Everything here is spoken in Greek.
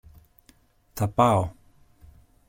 Θα πάω!